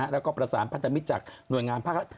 แล้วก็ประสานพันธมิตรจากหน่วยงานภาครัฐ